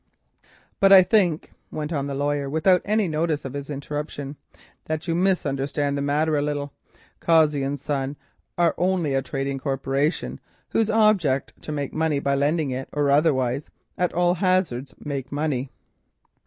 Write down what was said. "But I think," went on the lawyer, without any notice of his interruption, "that you misunderstand the matter a little. Cossey and Son are only a trading corporation, whose object is to make money by lending it, or otherwise—at all hazards to make money.